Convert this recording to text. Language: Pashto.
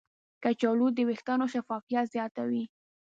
کچالو د ویښتانو شفافیت زیاتوي.